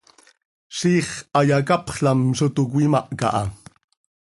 Ziix hayacapxlam zo toc cöimahca ha.